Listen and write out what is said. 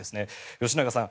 吉永さん